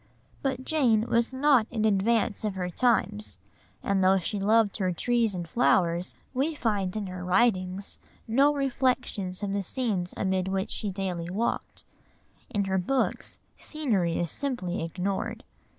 But Jane was not in advance of her times, and though she loved her trees and flowers, we find in her writings no reflections of the scenes amid which she daily walked; in her books scenery is simply ignored.